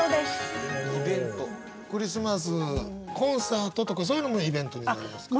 クリスマスコンサートとかそういうのもイベントになりますか？